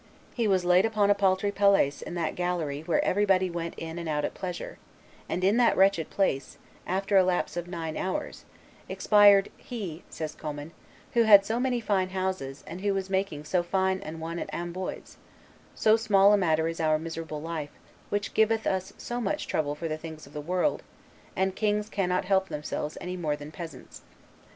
He was laid upon a paltry paillasse in that gallery where everybody went in and out at pleasure; and in that wretched place, after a lapse of nine hours, expired "he," says Commynes, "who had so many fine houses, and who was making so fine an one at Amboise; so small a matter is our miserable life, which giveth us so much trouble for the things of the world, and kings cannot help themselves any more than peasants.